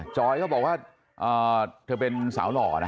จอยก็บอกว่าเธอเป็นสาวหล่อนะ